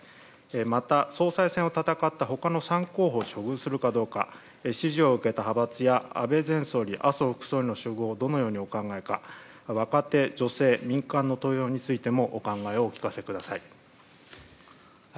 また総裁選を戦ったほかの３候補を処遇するかどうか、支持を受けた派閥や安倍前総理、麻生副総理の処遇をどのようにお考えか、若手、女性、民間の登用についてもお考えをお聞かせください。